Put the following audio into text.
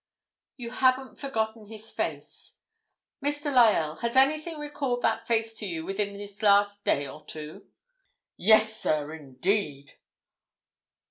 "You haven't forgotten his face. Mr. Lyell—has anything recalled that face to you within this last day or two?" "Yes, sir, indeed!"